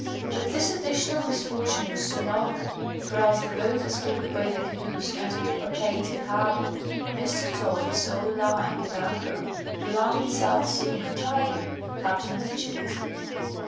But this additional misfortune was soon over, for as the boat, escorted by the canoes, entered Papeite Harbour Mr. Todd saw lying at anchor the London South Seaman Tiger, Captain Richards.